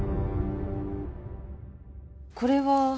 これは？